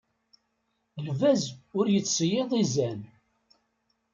Lbaz ur yettseyyiḍ izan.